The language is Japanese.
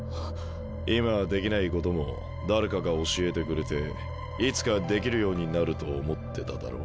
今はできないことも誰かが教えてくれていつかできるようになると思ってただろ？